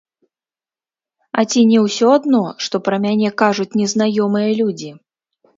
А ці не ўсё адно, што пра мяне кажуць незнаёмыя людзі?!